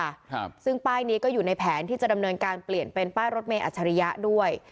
ครับซึ่งป้ายนี้ก็อยู่ในแผนที่จะดำเนินการเปลี่ยนเป็นป้ายรถเมยอัจฉริยะด้วย